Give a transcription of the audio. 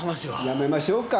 やめましょうか。